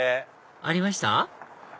ありました？